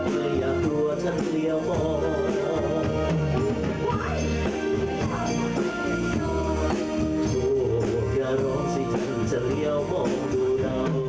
มีคุณทั่วมีคุณทั่วทีวาฉันเหลี่ยวมาก